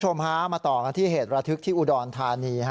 ทุกชมฮามาต่อกันที่เหตุรธึกที่อุดรธานี